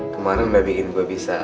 kemaren mbak bikin gue bisa